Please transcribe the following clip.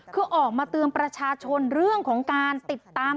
คือออกมาเตือนประชาชนเรื่องของการติดตาม